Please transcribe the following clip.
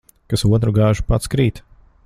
Kas otru gāž, pats krīt.